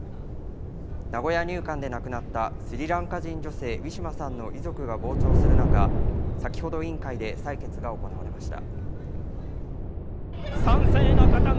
名古屋入管で亡くなったスリランカ人女性ウィシュマさんの遺族が傍聴する中、先ほど委員会で採決が行われました。